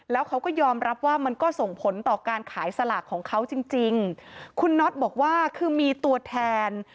แล้วเขาก็ยอมรับว่ามันก็ส่งผลต่อการขายสลากของเขาจริงจริงคุณน็อตบอกว่าคือมีตัวแทน